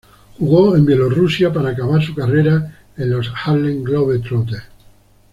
Jugó en Bielorrusia, para acabar su carrera en los Harlem Globetrotters.